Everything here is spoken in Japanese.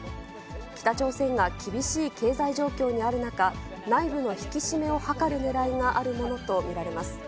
北朝鮮が厳しい経済状況にある中、内部の引き締めを図るねらいがあるものと見られます。